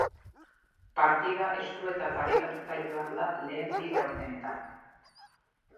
Partida estu eta parekatuta joan da lehen bi laurdenetan.